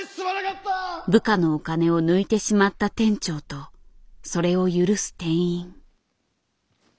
部下のお金を抜いてしまった店長とそれを許す店員。